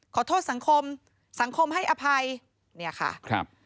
ขอโทษสังคมสังคมให้อภัยเนี่ยค่ะครับ